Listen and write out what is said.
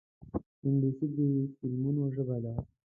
انګلیسي د فلمونو ژبه ده